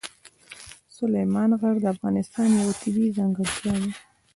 سلیمان غر د افغانستان یوه طبیعي ځانګړتیا ده.